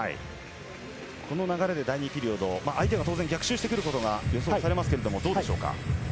この流れで第２ピリオド、相手は当然逆襲してくることが予想されますが、どうでしょう？